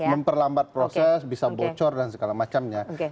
nah ini memperlambat proses bisa bocor dan segala macamnya oke